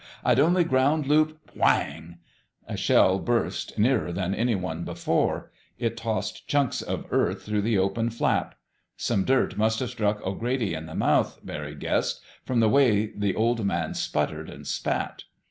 I'd only ground loop—" WHANG! A shell burst, nearer than any before it; tossed chunks of earth through the open flap. Some dirt must have struck O'Grady in the mouth, Barry guessed, from the way the Old Man sputtered and spat.